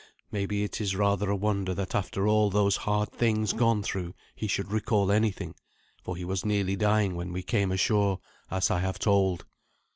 Maybe it is rather a wonder that after all those hard things gone through he should recall anything, for he was nearly dying when we came ashore, as I have told.